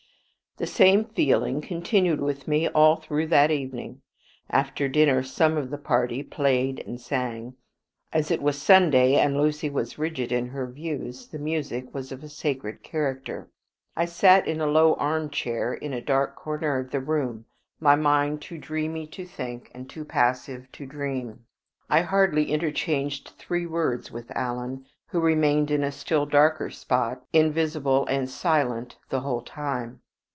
The same feeling continued with me all through that evening. After dinner some of the party played and sang. As it was Sunday, and Lucy was rigid in her views, the music was of a sacred character. I sat in a low armchair in a dark corner of the room, my mind too dreamy to think, and too passive to dream. I hardly interchanged three words with Alan, who remained in a still darker spot, invisible and silent the whole time.